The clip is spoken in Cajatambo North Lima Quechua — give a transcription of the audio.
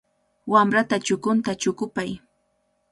Wamrata chukunta chukupay.